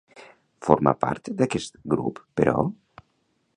Forma part d'aquest grup, però?